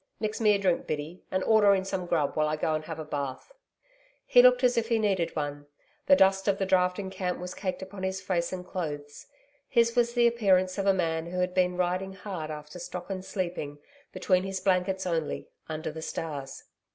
Mix me a drink, Biddy, and order in some grub, while I go and have a bath.' He looked as if he needed one. The dust of the drafting camp was caked upon his face and clothes. His was the appearance of a man who had been riding hard after stock and sleeping, between his blankets only, under the stars.